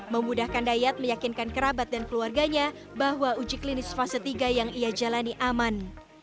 memudahkan dayat meyakinkan kerabat dan keluarganya bahwa uji klinis fase tiga yang ia jalani aman